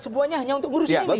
semuanya hanya untuk ngurusin ini